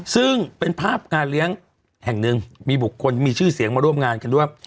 ซึ่งเป็นภาพงานเลี้ยงแห่งหนึ่งมีบุคคลมีชื่อเสียงมาร่วมงานกันด้วย